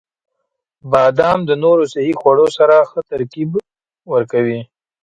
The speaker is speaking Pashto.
• بادام د نورو صحي خوړو سره ښه ترکیب ورکوي.